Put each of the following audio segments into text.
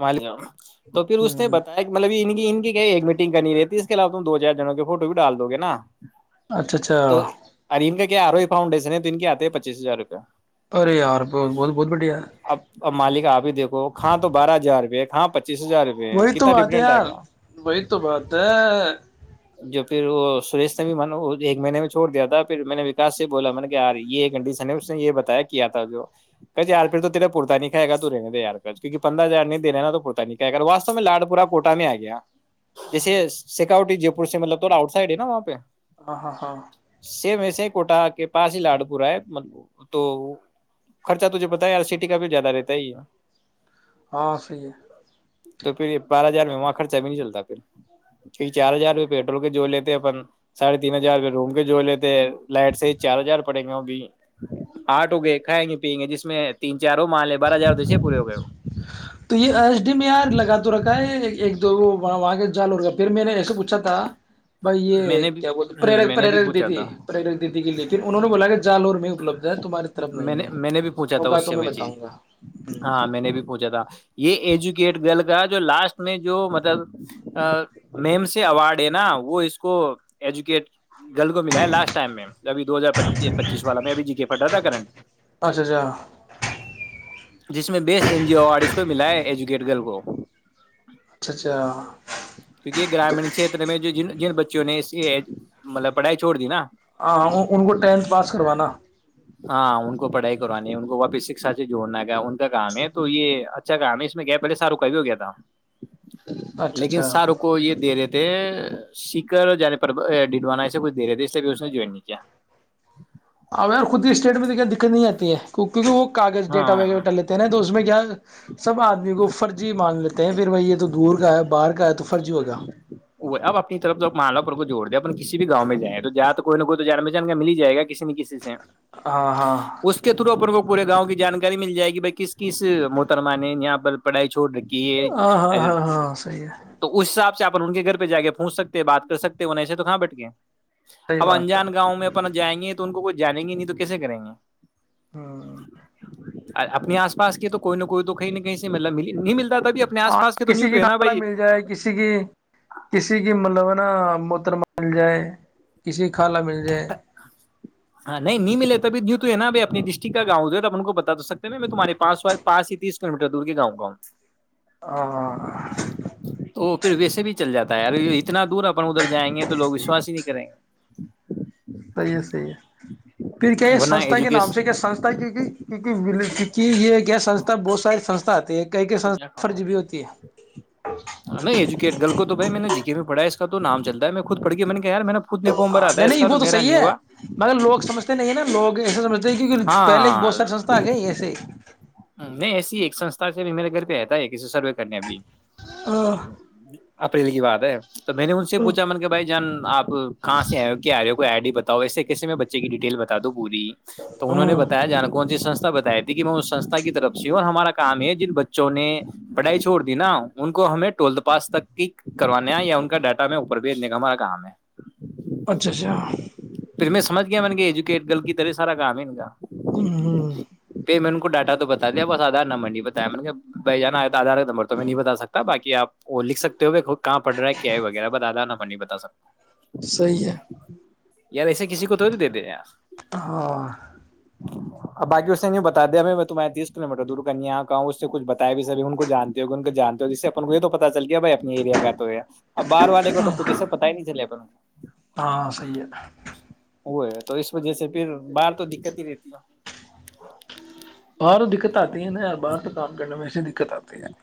مالک تو پھر اس نے ہوں بتایا کہ مطلب ان کی ان کی ایک میٹنگ کرنی رہی ہے اس کے علاو تم دو چار جن کے فوٹو بھی ڈال دو گے نا اچھا اچھا تو اریم کا کیا آرو فاؤڈیشن ہے تون کے آتے پچیس ہزار روپیہ ارے یار بہت بہت بہت بڑیا ہے [inaudible] وہ کھاد جارپ ہاں پ وہی تو بات ہے یار وہی تو بات ہے جو پھر وہ سورش نے بھی م ایک مہینے میں چوڑ دیا تھا پھر میں نے وکاس سے بولا من کہ یار یہ کنڈیشن ہے اس نے یہ بتایا کیا تھا جو کہ یار پھر تو تیرا پتا نہیں کھائے گا تو رہنے دے یار کچ کیونک پندرہ ہزار نہیں دنےا نا تو پتا نہیں کہا وا میں لاڈ پورا کوٹا میں آ گیا جیسے سکٹی جے پور سے مطلب تھوڑا آؤٹ سائڈ ہے نا وہاں پہ ہ ہاں ہاں میں سے کوٹہ کے پاس ہی لاڈ پورا ہے تو خرچہ تجھے پتا ہے سٹی کا بھی زیادہ رہتا ہے ہی اور صحیح ہے [unintelligible] تو پھر یہ بارہ ہزار میں وہاں خرچہ بھی نہیں چلتا پھر کی چار ہزار روپ پیٹرول کے جو لیتے اپن ساڑھے تین ہزار روپ روم کے جو لیتے لائٹ سے چار ہزار پڑے گا بھی آٹھ ہو گئے کھائیں گے پیئیں گے جس میں تین چار مالے بار ہزار سے پوری ہو گئے تو یہ ایس ڈی میں یار لگا تو رکھا ہے ایک دواں جالور کا پھر میں نے ایسے پوچھا تھا بھائی میں یہ نے بھی کیا بولتے ہ پرک میں نے بھی پرییرک پوچھا دیدی تھا پرییرک دیدی کی لیکن انہوں نے بولا کہ جالور میں اپپلبد ہے [unintelligible] میں نہیں نے ہے میں نے بھی پوچھا تھا ہوگا اس تو سے میں وہ چیز بتاؤں گا ہاں میں نے بھی پوچھا تھا یہ ایجوکیٹ جو لاسٹ میں جو مطلب میم سے اوارڈ ہے نا وہ اس کو ایجوکیٹ گل کو ملا ہے لاسٹ ٹائم میں ابھی دو ہزار پچیس والا میں ابھی جی کے پڑ رہا تھا کرنٹ اچھا اچھا جس میں بیس این جی او اور اس کو ملا ہے ایجوکیٹ گرل کو اچھا اچھا کیونکہ یہ گرامیین کت میں جو ج جن بچوں نے اسی مطلب پڑھائی چھوڑ دی نا ہاں ہاں ان کو ٹینتھ پاس کروانا ہاں ان کو پڑھائی کرانی ہے ان کو واپس شکشا سے جوڑنا کیا ان کا کام ہے تو یہ اچھا کام ہے اس میں گیا پہلے ساروں کا بھی ہو گیا تھا اچھا لیکن اچھا سر کو یہ دے رہے تھ سیکر اور ج پر ڈڈوانا ایے کچھ دے رہے تھے اس لیے اس نے جوائن نہیں کیا اویر خود ہی اسٹیٹ میں تو کیا دقت نہیں آتی ہے کیونکہ وہ کاغذ ڈیٹا ہاں وغیرہٹا لیتے ہیں نا تو اس میں کیا سب آدمی کو فرضی مان لیتے ہیں پھر بھائی یہ تو دور کا ہے باہر کے تو فرضی ہوگا [unintelligible] وہ اب اپنی طرف تو مالا پر کو جوڑ دیں اپ کسی بھی گاؤں جائیں تو جیا تو کوئی نہ کوئی تو جان میں جان کے مل جائے گا کسی نہ کسی سے ہاں ہاں اس کے تھرو اپنے کو پورے گاؤں کی جانکاری مل جائے گی بائی کس کس محترما نے یہاں پر پڑائی چوڑ رکی ہاں ہاں ہاں ہاں سحیح ہے [unintelligible] تو اس حساب سےپ ان کے گھر پہ جا کے پونچ سکتے بات کر سکتے انہ ای سے تو کہاں بیٹ کے صحیح اب بات ہے انجان گاؤں میں [unintelligible] ن جائیںے تو ان کوئی جانیں گے نہیں تو کیسے کریں گے [unintelligible] ہوں [unintelligible] اپنے آس پس کی تو کوئی نہ کوئی تو کہیں نہ کہیں سے م نہیں ملتا تبھی اپنے آس پاس کے تو کسی نہیںی تو کی ہے نا خالہ بائی مل جائے کسی کی کسی کی مطلب ہے نا متر مال جائے کسی کی خالا مل جائے ہاں نہیں ملے ابھی یوں تو ہے نا ب اپنے ڈسٹکٹ کا گاؤں د ہے ا آپ کو بتا سکتے میں تمہارے پا پس ہی تیس کلو میٹر دور کے گاؤں کاا ہاں ہوں تو پھر ویسے بھی چل جاتا [unintelligible] تیاری [unintelligible] اتنا دور اپن ادھر جائیں گے تووگ وشواس ہی نہیں کریں گے ہ [inaudible] صحیح ہے صحیح ہے [unintelligible] پھر کیا ورنہ سستھا کے نام سے کیا ایجوکیشن سستھا کی گئی کی کی یہ یہنستھا بہت ساری سسھ ایک ک گ کو تو بھ میں نے ج [unintelligible] میں پڑھا اس کا تو نام چل ہے میں خود پڑ کے میں نے کہ ار میں نے خود نے فارم ہاں بھرا تھا نہیں اس نہیں کا وہ تو میرا صحیح نہیں ہے ہوا مگر لوگ سمجھتے نہیں نا لوگ اس د پہلے ہاں بہت سار سستا آ گیا ایسے نہیں ایسی ہی ایک سسھا سے بھی میرے گھر پہ ہےتا ہے ایک کے سروے کرنے اب ہاں [unintelligible] اپنے لی کی بات ہے تو میں نے ان سے پوچھا من کہ بھائی جان آ کہاں سے آئے ہو کیا آئے ہو کوئی آئی ڈی بتاؤ اس سے کیسے میں بچے کی ڈیٹیل بتا دوں پوری تو انہوں نے بتایا جان کون سسھا بتاائی تھی کہ میں اس سے سسھا کی طرف سے اور ہمارا کام ہے جن بچوں نے پڑھائی چھوڑ دی نا ان کو ہمیں ٹویلتھ پاس تک کی کرانا یا ان کا ڈاٹا میں اوپر بھیجنے کا ہمارا کام ہے اچھا اچھا پھر میں سمج گیا بن گ کے ایجوکیٹ گل کی تے سارا کام ہے نا [inaudible] ک [inaudible] تو بتا دیا بس آدار نمر نہیں بتایا مط کہ بہ جانا آیا تو آدار ایک نبر تو میں نہیں بتا سکتا بای آپ وہ لکھکتے ہو ب کہاں پڑ رہا ہے کیا ہے وغیرہ بتادا نا پ نہیں بتا سکتا صی ہے یار ایسے کسی کو تووڑ دیتے یار ہاں ا باقی اس نے نہیںی بتا دیا میں میں تس کل میٹر دوررن یہاں کہوں اس سے کچ بتایا بھی سب ان کو جانتے ہو ان کو جانتے ہو جس اپ کو یہ تو پتا چل گیا بھائی اپنے ایریا کا تو اب باہار والے کو تو کچھ اسے پتا ہی نہیں چلے پر ہاں صیح ہے وہ ہے تو اس وجہ سے پھر باہر تو دقت ہی رہتی ہے باہر دقتتی ہے ن ار باہر تو کام کرنے میںیسے دقت آتی ہے شکریہ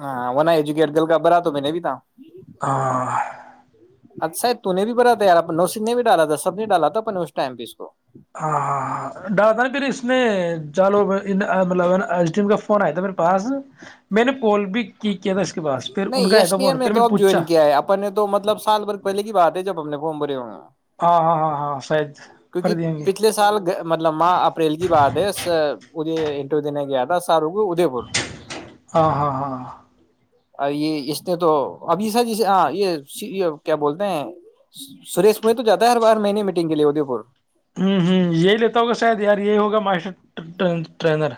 ہاںن ایجوک دل کا بھرا تو میں نے بھی تھا [inaudible] اچھا تو نے بھی بڑ تھا یار نوسین نے بھی ڈالا تھا سب نے ڈالا تھا اپ اس ٹائم پہ اس کو ہاں ہاں ہاں ڈالا تھا پھر اس میں جالو مطلب کا فون آیا تھا میرے پاس میں نے کال بھی کی کیا تھا اس کے پاس پھر ان کا نہیں آیا تھا سٹی ایم فون میں پھر تو نے اب پوچھا جوائن کیا ہے اپن نے تو مطلب سال بھر پہلے کی بات ہے جب ا نے پوم ب رہےا ہاں ہاں ہاں ہاں شاید کیونکہ کر دیں گے پچھلے سال مطلب ماہ اپریل کی بات ہےے انٹرویو دینے گیا تھا [inaudible] ہاں ہاں ہاں ا یہ اس نے تو اب یہ سر جسے یہ کیا بولتے ہیں سریش مئی تو جاتا ہے ہر بار م نے میٹنگ کے لیے ادے پور ہوں ہوں یہل تگسادار یہی ہوگا ماشٹر ٹرینر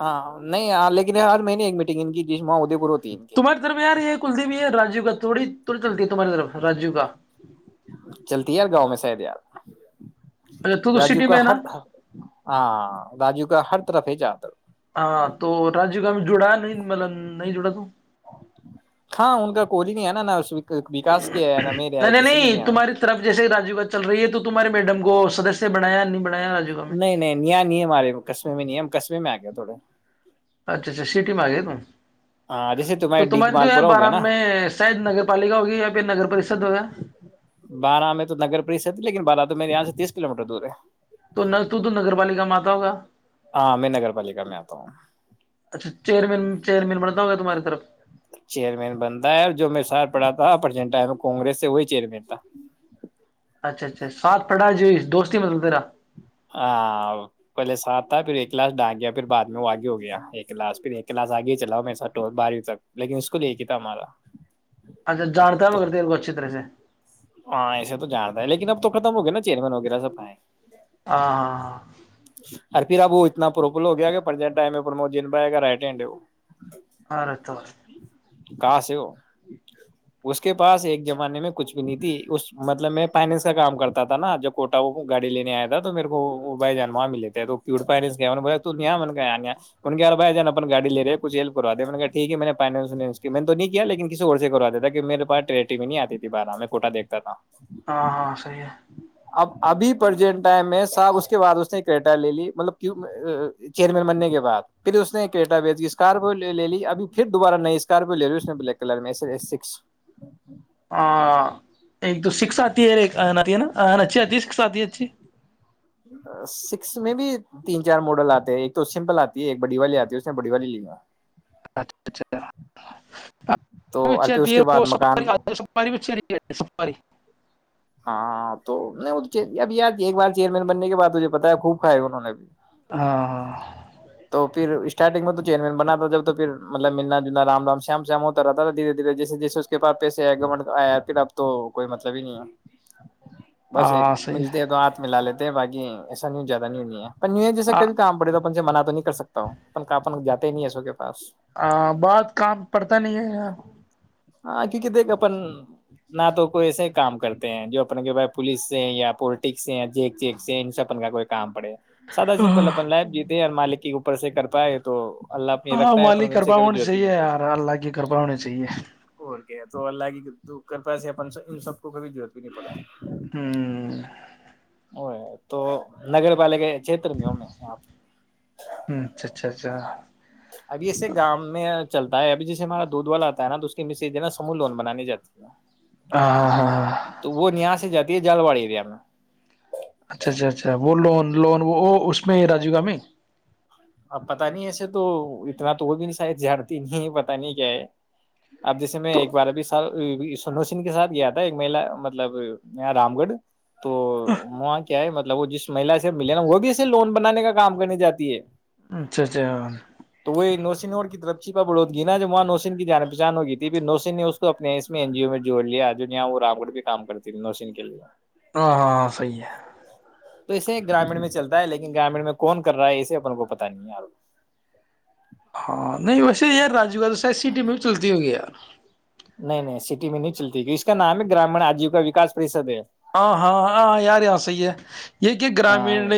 ہاں نہیں لیکن ہر مہینے ایک میٹنگ ان کی جس ماں ادے پور ہوتی ہے ان کی تمہاراری درم یار یہ کلدی یہ رایو کا تھوی ت چلتی تمہاری در میں رج کا چلتی ہے یار گاؤں میں شاید یار اچھا تو تو راجو سٹی میں کا ہے ہر نا ہاں راجو کا ہر طرف ہی جادر ہاں تو رجیہ کا میں جڑا نہیں مطلب نہیں جڑا تو ہاں ان کا کوئی نہیں ہے نا ن اس نہیں نہیں نہیں آیا تمہاری طرف جیسے راجیو گاج چل رہی ہے تو تمہارے میڈم کو سدس بنایا نہیں بنا نہیں نہیں نیا ن آے گ قصبے میں نہیں ہم قصبے میں آ گئے تھوڑے اچھا اچھا سٹی میں آ گئی ت ہاں جیسے تو تمہارے ڈیگ تمہاریے تو مال ار پورا ہو گیا بارہ نا میں شاید نگر پالکا ہوگی یا پھر نگر پریشد ہوگیا م میںیرے یہاں سے تس کلو میٹر دور ہے تو ن تو تو نگر پالکا میں آتا ہوگا ہاں میں نگر پالکا میں آتا ہوں اچھا چیئرمین چیئرمین بنتا ہوگا تمہارے صرف [unintelligible] چیئرمین بندہ یار جو میرے ساتھ پڑا تھا اپرچنٹائن کونگرے سے وہی چیئرمین تھا اچھا اچھا سات پڑھا ج جو دوست مدیرا [unintelligible] ا پہلے ساتھ تھا پھر ایک لاسٹ ا گیا پھر بعد میں وہ اگے ہو گیا ایک لاسٹ پھر ایک کلاس ا گئی چلاؤ میرے ساتھ ٹول بار لیکن اس کو لے کے تھا ہمارا اچھا جانتا تو نگر تیر کو اچھی طرح سے تم ہو گے نا چیرمین وغیرہ سب آیں ہاں ہاں ہاں پھر اب وہ اتنا پروپل ہو گیا کہ ٹائم میں پرمود جن میں آئےا رائٹ ہینڈ ہے وہ اور رہ تو کہ سے ہے وہ اس کے پاس ایک زمانے میں کچھ بھی نہیں تھی اس مطلب میں فائننس کا کام کرتا تھا نا جوب کوٹا وہ گاڑی لینے آیا تھا تو میرے وہ بھ جان وہاں ملے تو فیار بھ جان اپن گای لے کھ ہیلپ کرا دیا ٹھیک ہے میں نے میں تو نہیں کیا لن کسی اور سے کر دیتا میرے پاٹٹی آتیھی بارہ میںھٹا دیکتا تھا ہاں ہاں صحیح ہے اب ابھی پرج م س اس کے بع اس نےیٹا لے لی مطلب چیئرمین بننے کے بعد پھر اس نےیٹا اسکارپیو لے لی ابھی پھر دوبارہ نئی اسکارپیو لے لیی نے بلیک کلر میں سکس ہاں ایک تو ش سکس آتی ہے ا ایک آ آتی ہے ن آن اچھی آتی ہے سک آتی ہے اچھی سکس میں بھی تین چار ماڈل آتے ہیں ایک تو سمپل آتی ہے ایک بڑی والی آتی ہے اس میں بڑی والی لین گا اچھا تو [unintelligible] اور اچھا پھر اس کے بعد مکان ساری ب ساری [unintelligible] [unintelligible] ہاں تو نہیں وہ ابھی ایک بار چیئرمین بننے کے بعد مجھے پتا ہے خوب کھائے انہوں نے اب ہاں ہاں پھر اسٹارٹنگ میں تو چیئرمین بنا تھا جب تو پھر مطلب ملنا جلنا رام رام شم شم ہوتا رہتا تھا دھیرے دھیرے جیس جیسے اس کے پاس پسے آئے گمٹ آیا پھر اب تو کوئی مطلب ہی نہیں ہے بس ہاں صحیح ملتے ہے ہیں تو ہاتھ م ل لیتے باقی ایسا نیو زیادہ نیو نہیں ہے پنویں جس سے کب تم بڑے تو سے مناات تو نہیں کر سکتا ہوںپن جاتے نہیں ای سو کہ ہاں بات کام پڑتا نہیں ہے یار ہاں کیونکہ دیکھ اپن نہ تو کوئی ایسے ہی کام کرتے ہیں جو اپنے کے ب پولس سے یا پولٹکس سے یا جیک چیک سے ان سب اپن کا کوئی کام پڑے سادا سمپل اپن لائف ج مالک کے اوپر سے کر پائے تو اللہ اپنی ہاں رکھتا ہے مالی اپن ان سے کرپا کبھی ہونی ضرورت بھی چاہیے نہیں پڑتی یار اللہ کی کرپا ہونی چاہیے اور تو اللہ کی کرپا سے ان سب کو کبھی جو ب پ [unintelligible] ہوں [inaudible] وہ تو نگر پالکا [unintelligible] چھیتر میں ہو میں آپ اچھا اچھا اچھا [unintelligible] ابھی ایسے گامؤ میں چلتا ہے ابھی جیسے ہمارا دودھ والا آتا ہے نا تو اس کی م ہے نا سمو لون بنانی جاتی ہے ہاں ہاں تو وہ یہاں سے جاتا [unintelligible] یہ جالوڑی ایریا میں [unintelligible] اچھا اچھا اچھا وہ لون لون وہ اس میں ہے راجیو گامی اب پتا نہیں ایسے تو اتنا تو وہ بھی نہیں شاید جڑتی نہیں ہے پتا نہیں کیا ہے اب جیسے میں تو ایک بار ابھی سال سنو سنھ کے ساتھ گیا تھا ایک مہی مطلب یہ رام گڑھ تو وہاں کیا ہے مطلب وہ جس مہیلا سے ملے نا وہ بھی ایسے لون بنانے کا کام کرنے جاتی ہے اچھا اچھا تو وہ نوسینور کی طر چاڑوتگی نا جب وہاں نوشین کی جان پہچان ہو گئی تھی پھر نوشن نے اس کو اپنے اس میں این جی او میں جوڑ لیا جواں وہ رام کر بھیم کرتی تھی نوشین کے لیے ہاں ہاں صحیح ہے تو اسے گرامیین میں چلتا ہے لیکن گرامیین میں کون کر رہا ہے اسے اپن کو پتا تن [unintelligible] ہاں نہیں ویسے ار رج [unintelligible] ا تو س سٹی میں بھی چلتی ہو گی یار نہیں نہیں سٹی میں نہیں چلتی کی اس کا نام ہے گرامیین آجیوکا وکا پرریشد ہے ہاں ہاں ہاں یار یہاں صحی ہے یہ کہ ہاں گرامین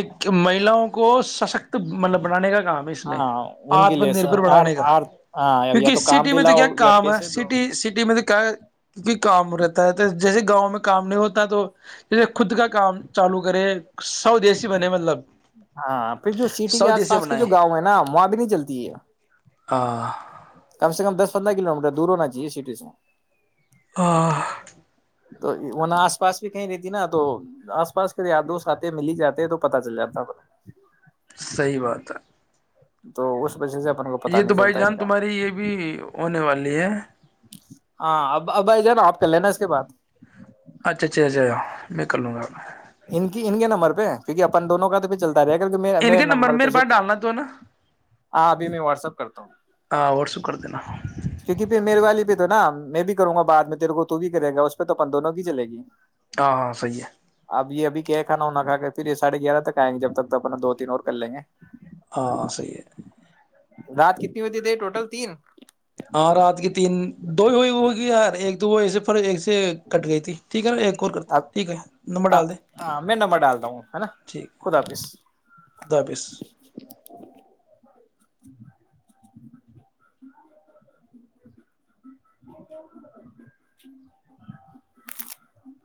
مہلاؤں کو سشکت [unintelligible] مطلب بنانے کا کام ہے اس میں ہاں ان کے آتم لیے نربر بنانے کا ہاں یا کیونکہ تو کام سٹی میں تو کیا دلاؤ یا کام ہے پیسے دو سٹی سٹی میں تو کیا کیکہ کام رہتا تو جیسے گاؤں میں کام نہیں ہوتا تو ج خود کا کام چالو کرے سوودیشی بنے مطلب ہاں پھر جو سٹی کے آس سودیسی پاس کے بنائے جو گاؤں ہے نا وہاں بھی نہیں چلتی ہے ہ [unintelligible] کم سے کم دس پندرہ کلو میٹر دور ہونا چاہیے سٹیز میں ہ [unintelligible] تو وہن آس پاس بھی کہیں رہتی نا تو آس پاس کے یار دوست آتے ہیں مل ہی جاتے ہیں تو پتا چل جاتا ہے صحی بات ہے تو اس [unintelligible] اس وجہ سے اپن کو پتا یہ نہیں تو بھائی چلتا ان جان کا تمہاری یہ بھی ہونے والی ہے ہاں اب ابھائی ج نا آپ کر لینا اس کے بعد اچھا اچھا اچھا میں کرلوں گا ان کی ان کے نمبر پہ کیوںہ اپن دونوں کا تو پہ چلتا رہ کر م ان میرے کے نمبر پہ میرے سے پاس ہ ڈالنا تو ہے نا ابھی میں واٹسپ کرتا ہوں ہاں واٹسپ کر دینا ہاں کیونکہ پھر میرے والی پ تو نا میں بھی کروں گا بع میں تیرے کو تو بھی کرے گا اس پہ تو اپن دونوں کی چلے گی ہاں ہاں صحی ہے اب یہ اب کیا ہے کھا ہو نہا کا کے پھر یہ ساھے گیارہ تک آئیں گ ج تک تو اپنا دو تین اور کر لیں گے ہاں صی ہے رات کتنی ہوتی تے ٹوٹل تین ہاں رات کی تین دو ہی ہوئی ہوگی یار ایک وہ ایے پر ایک تو کٹ گئی تھی ٹھیک ہے ایک اور کرتے اب ٹھیک ہے نمبر ڈال دیں ہاں میں نمبر ڈالتا ہوں ہے نا ٹھیک ہے خدا حافظ خدا حافظ [inaudible] [inaudible]